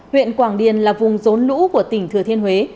huyện quảng điền là vùng rốn lũ của tỉnh thừa thiên huế